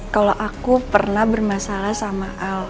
kalau aku pernah bermasalah sama al